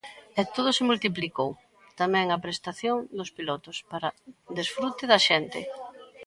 E todo se multiplicou, tamén a prestación do pilotos para desfrute da xente.